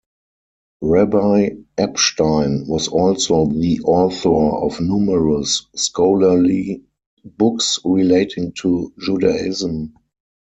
Rabbi Epstein was also the author of numerous scholarly books relating to Judaism.